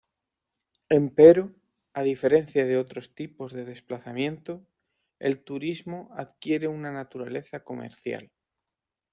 Empero, a diferencia de otros tipos de desplazamiento, el turismo adquiere una naturaleza comercial.